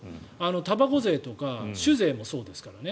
たばこ税とか酒税もそうですからね。